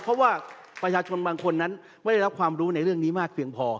เพราะว่าประชาชนบางคนนั้นไม่ได้รับความรู้ในเรื่องนี้มากเพียงพอ